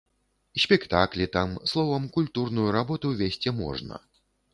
Спектаклі там, словам, культурную работу весці можна.